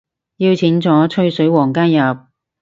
邀請咗吹水王加入